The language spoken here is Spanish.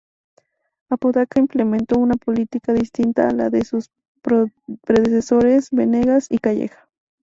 Apodaca implementó una política distinta a la de sus predecesores Venegas y Calleja.